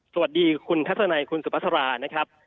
สวัสดีคุณแคสเตอร์ไนคุณสุพธรานะครับ